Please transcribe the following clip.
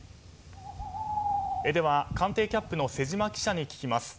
では、官邸キャップの瀬島記者に聞きます。